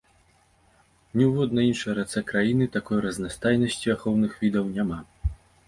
Ні ў воднай іншай рацэ краіны такой разнастайнасці ахоўных відаў няма.